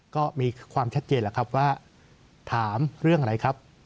ก็มีความชัดเจนแล้วครับว่าถามเรื่องอะไรครับ